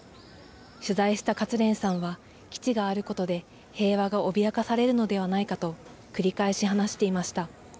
取材した勝連さんは、基地があることで平和が脅かされるのではないかと繰り返し話していました。